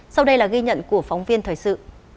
sau đây là ghi nhận của phóng viên thời sự